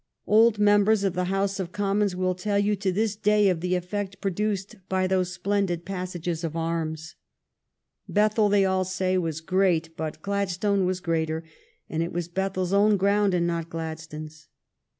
Old mem THE CRIMEAN WAR 197 bers of the House of Commons will tell you to this day of the effect produced by those splendid passages of arms. Bethell, they all say, was great, but Gladstone was greater, and it was Bethells own ground and not Gladstone's.